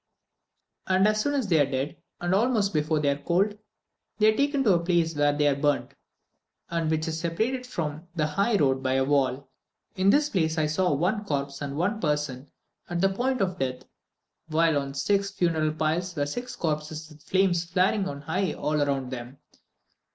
As soon as they are dead, and almost before they are cold, they are taken to the place where they are burnt, and which is separated from the high road by a wall. In this place I saw one corpse and one person at the point of death, while on six funeral piles were six corpses with the flames flaring on high all around them.